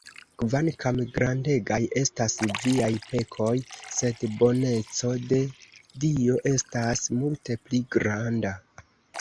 Kvankam grandegaj estas viaj pekoj, sed boneco de Dio estas multe pli granda!